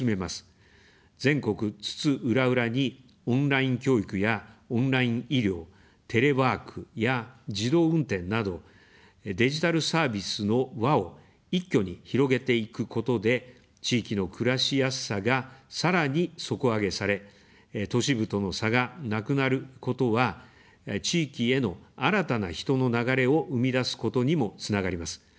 全国津々浦々に、オンライン教育やオンライン医療、テレワークや自動運転など、デジタルサービスの輪を一挙に広げていくことで、地域の暮らしやすさが、さらに底上げされ、都市部との差がなくなることは、地域への新たな人の流れを生み出すことにもつながります。